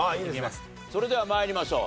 それでは参りましょう。